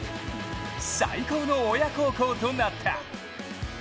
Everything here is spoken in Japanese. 最高の親孝行となった。